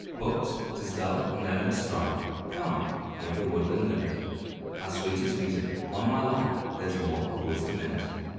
Books! 'tis dull and endless strife, Come, here the woodland linnet, How sweet his music; on my life There's more of wisdom in it.